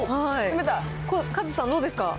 カズさん、どうですか？